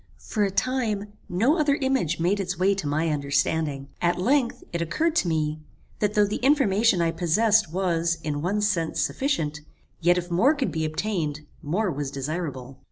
For a time, no other image made its way to my understanding. At length, it occurred to me, that though the information I possessed was, in one sense, sufficient, yet if more could be obtained, more was desirable.